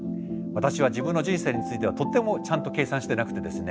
私は自分の人生についてはとてもちゃんと計算してなくてですね